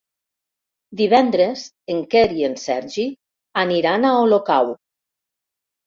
Divendres en Quer i en Sergi aniran a Olocau.